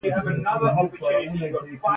بې تجربې ميډيا که لږ خپل ګرېوان ته سر ټيټ کړي.